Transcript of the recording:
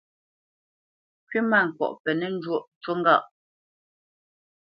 Kywítmâŋkɔʼ penə́ njwōʼ, ncú ŋgâʼ.